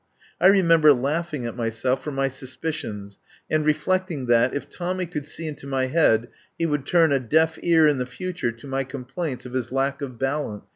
I re member laughing at myself for my suspicions, and reflecting that, if Tommy could see into my head, he would turn a deaf ear in the future to my complaints of his lack of balance.